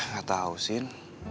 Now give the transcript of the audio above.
gak tahu sin